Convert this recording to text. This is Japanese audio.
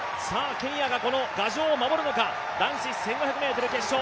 ケニアが牙城を守るのか男子１５００ｍ決勝。